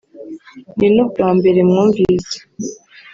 ni n’ubwa mbere mwumvise